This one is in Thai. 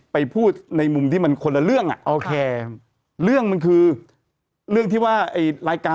ไปพูดในมุมที่มันคนละเรื่องอ่ะโอเคเรื่องมันคือเรื่องที่ว่าไอ้รายการ